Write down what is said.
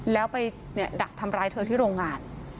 แล้วไปดักทำร้ายเธอที่โรงงาน